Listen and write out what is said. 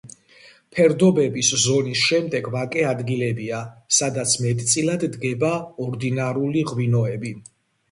ფერდობების ზონის შემდეგ ვაკე ადგილებია, სადაც მეტწილად დგება ორდინარული ღვინოები.